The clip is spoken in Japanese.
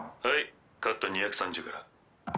はいカット２３０から。